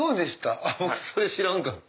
僕それ知らんかった。